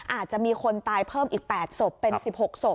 อาจจะมีคนตายเพิ่มอีก๘ศพเป็น๑๖ศพ